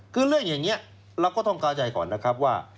คือเรื่องอย่างนี้เราก็ต้องเข้าใจก่อนนะครับว่า